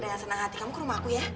dengan senang hati kamu ke rumah aku ya